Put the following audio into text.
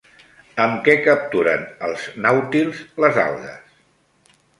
Amb què capturen els nàutils les algues?